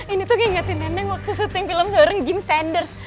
ini tuh ngingetin neneng waktu syuting film seorang jim sanders